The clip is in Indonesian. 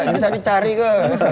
bisa dicari ke